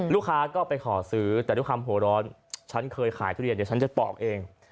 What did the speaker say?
ลูกค้าก็ไปขอซื้อแต่ด้วยความหัวร้อนฉันเคยขายทุเรียนเดี๋ยวฉันจะปอกเอง